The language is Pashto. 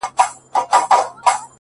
• ژوندی انسان و حرکت ته حرکت کوي ـ